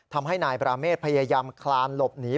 ทำให้นายบราเมฆพยายามคลานหลบหนี